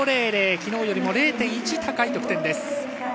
昨日よりも０．１高い得点です。